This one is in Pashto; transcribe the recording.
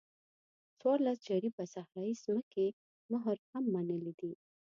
څوارلس جریبه صحرایي ځمکې مهر هم منلی دی.